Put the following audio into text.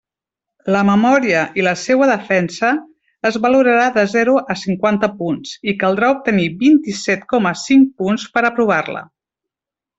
La memòria i la seua defensa es valorarà de zero a cinquanta punts, i caldrà obtenir vint-i-set coma cinc punts per a aprovar-la.